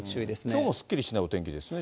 きょうもすっきりしないお天気ですね。